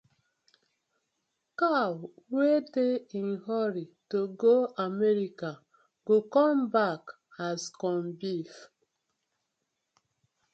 Cow wey dey in a hurry to go America go come back as corn beef: